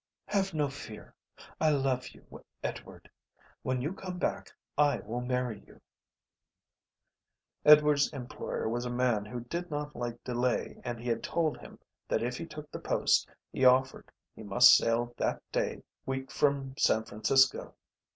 "Have no fear. I love you, Edward. When you come back I will marry you." Edward's employer was a man who did not like delay and he had told him that if he took the post he offered he must sail that day week from San Francisco.